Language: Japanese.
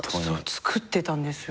つくってたんですよ。